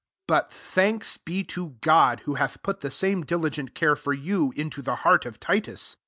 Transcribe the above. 16 But thanks be to God, who hath put the same dili gent care for you, into the heart of Titus.